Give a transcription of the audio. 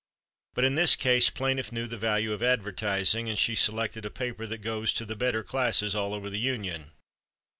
But in this case plaintiff knew the value of advertising, and she selected a paper that goes to the better classes all over the Union.